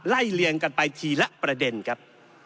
เลียงกันไปทีละประเด็นครับ